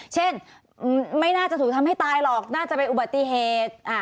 เช่นไม่น่าจะถูกทำให้ตายหรอกน่าจะเป็นอุบัติเหตุ